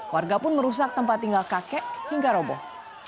warga pun merusak tempat tinggal kakek hingga roboh